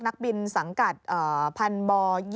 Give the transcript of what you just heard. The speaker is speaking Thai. นักบินสังกัดพันธ์บ๒